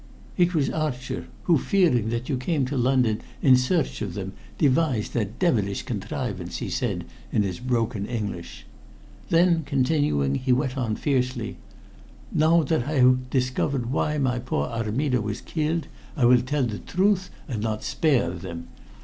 "It was Archer, who, fearing that you came to London in search of them, devised that devilish contrivance," he said in his broken English. Then continuing, he went on fiercely: "Now that I have discovered why my poor Armida was killed, I will tell the truth, and not spare them.